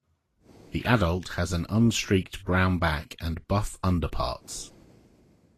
The adult has an unstreaked brown back and buff underparts.